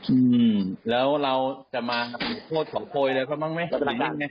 อืมแล้วเราจะมาโทษของโคยเลยเขาบ้างไหม